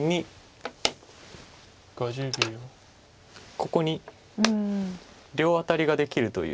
ここに両アタリができるという。